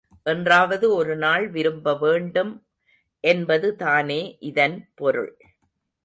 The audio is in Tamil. என்றாவது ஒரு நாள் விரும்ப வேண்டும் என்பது தானே இதன் பொருள்.